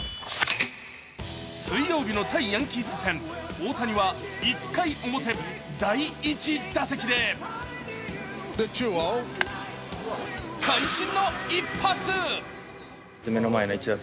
水曜日の対ヤンキース戦大谷は１回表、第１打席で会心の１発。